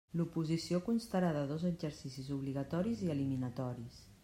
L'oposició constarà de dos exercicis obligatoris i eliminatoris.